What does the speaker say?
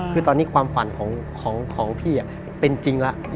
คือตอนนี้ความฝันของพี่เป็นจริงแล้ว